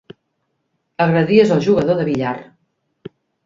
Agredies el jugador de billar.